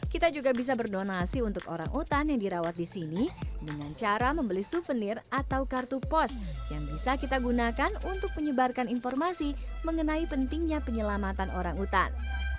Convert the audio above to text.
kita juga bisa berdonasi untuk orang utan yang dirawat di sini dengan cara membeli souvenir atau kartu pos yang bisa kita gunakan untuk menyebarkan informasi mengenai pentingnya penyelamatan orang hutan